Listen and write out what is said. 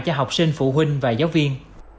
cho học sinh phụ huynh và giáo viên